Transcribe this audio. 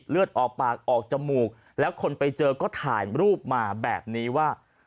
เลือดออกปากออกจมูกแล้วคนไปเจอก็ถ่ายรูปมาแบบนี้ว่า